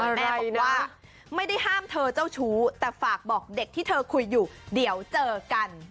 แม่บอกว่าไม่ได้ห้ามเธอเจ้าชู้แต่ฝากบอกเด็กที่เธอคุยอยู่เดี๋ยวเจอกัน